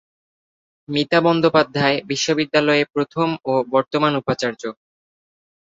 মিতা বন্দ্যোপাধ্যায় বিশ্ববিদ্যালয়ে প্রথম ও বর্তমান উপাচার্য।